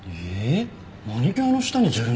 マニキュアの下にジェルネイル？